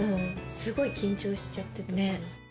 すごい緊張しちゃってたと思う。